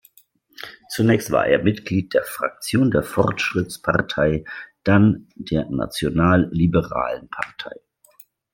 Zunächst war er Mitglied der Fraktion der Fortschrittspartei dann der Nationalliberalen Partei.